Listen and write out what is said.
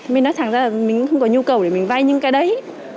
mình nói thẳng ra là mình không có nhu cầu để mình vay những cái đấy